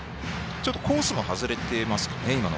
ちょっとコースも外れていますかね？